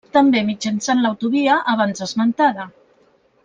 També mitjançant l'autovia abans esmentada.